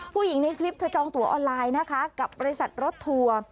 ผู้หญิงในคลิปเธอจองตัวออนไลน์นะคะกับบริษัทรถทัวร์